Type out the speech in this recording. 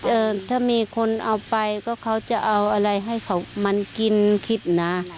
เออถ้ามีคนเอาไปก็เขาจะเอาอะไรให้เขามันกินคิดนะ